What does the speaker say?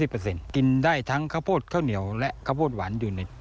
๓๐เปอร์เซ็นต์กินได้ทั้งข้าวโพดข้าวเหนียวและข้าวโพดหวานอยู่ในนิด